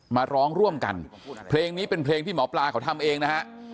มาร้องร่วมกันเพลงนี้เป็นเพลงที่หมอปลาเขาทำเองนะฮะ